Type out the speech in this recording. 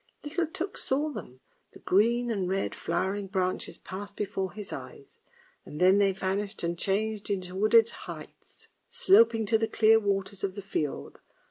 " Little Tuk saw them, the green and red flowering branches passed before his eyes; and then they vanished and changed into wooded heights, sloping to the clear waters of the fiord.